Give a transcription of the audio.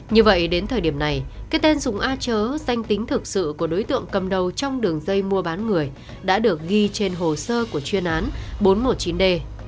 như vậy đến thời điểm này cái tên dung a chớ danh tính thực sự của đối tượng cầm đầu trong đường dây mua bán người đã được ghi trên hồ sơ của chuyên án bốn trăm một mươi chín d